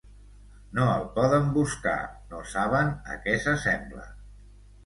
No el poden buscar, no saben a què s'assembla.